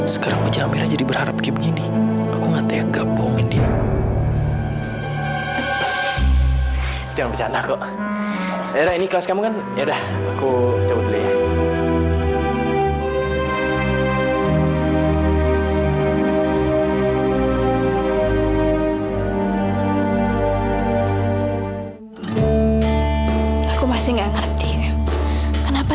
sampai jumpa di video selanjutnya